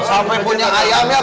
sampai punya ayam ya